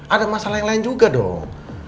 ada masalah yang lain juga dong